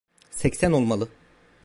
Seksen olmalı!